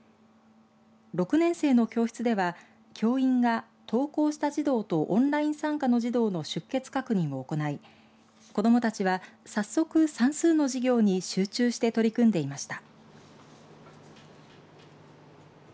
６年生の教室では教員が登校した児童とオンライン参加の児童の出欠確認を行い子どもたちは早速算数の授業に集中して取り組んでいました。